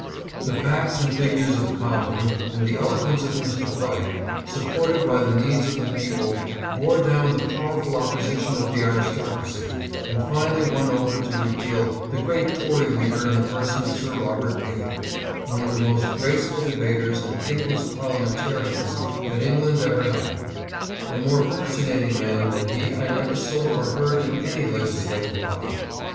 The facts and figures of Cobden and the eloquence of Mr. Bright, supported by the needs of the people, bore down the powerful opposition of the aristocracy, and finally won over to repeal the great Tory leader in the person of Sir Robert Peel, one of the most graceful debaters and ablest parliamentarians that England ever had. A more fascinating man than he I never saw or heard in any legislative body.